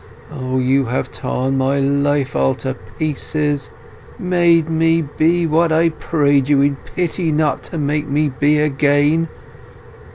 O, you have torn my life all to pieces ... made me be what I prayed you in pity not to make me be again!...